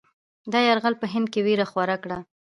دا یرغل په هند کې وېره خوره کړه.